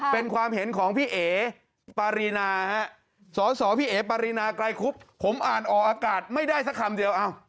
เป็นความเห็นของพี่เอ๋ปารีนาสอสอพี่เอ๋ปารีนาไกรคุบผมอ่านออกอากาศไม่ได้สักคำเดียว